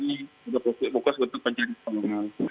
kita fokus untuk pencari solongan